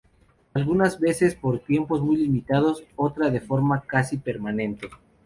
Algunas veces por tiempos muy limitados, otras de forma casi permanente.